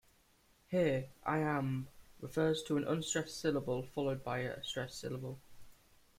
Here, "iamb" refers to an unstressed syllable followed by a stressed syllable.